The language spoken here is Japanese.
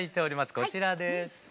こちらです。